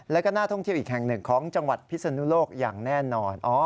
แล้วก็น่าท่องเที่ยวอีกแห่งหนึ่งของจังหวัดพิศนุโลกอย่างแน่นอน